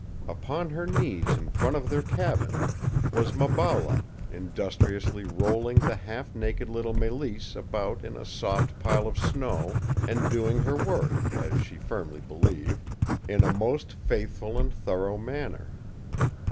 Upon her knees in front of their cabin was Maballa, industriously rolling the half naked little Mélisse about in a soft pile of snow, and doing her work, as she firmly believed, in a most faithful and thorough manner.